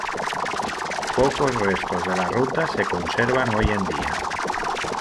Pocos restos de la ruta se conservan hoy en día.